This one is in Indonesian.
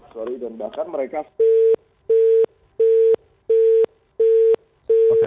sorry dan bahkan mereka